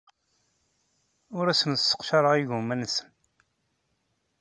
Ur asen-sseqcareɣ igumma-nsen.